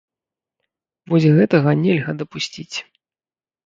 Вось гэтага нельга дапусціць.